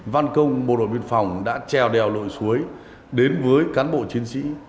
văn công bộ đội biên phòng đã treo đèo lội suối đến với cán bộ chiến sĩ